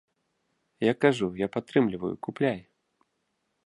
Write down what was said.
Я кажу, я падтрымліваю, купляй.